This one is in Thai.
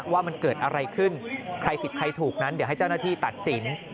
ว่ามันเกิดอะไรขึ้นใครผิดใครถูกนั้นเดี๋ยวให้เจ้าหน้าที่ตัดสิน